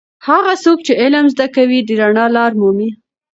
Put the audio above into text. هغه څوک چې علم زده کوي د رڼا لاره مومي.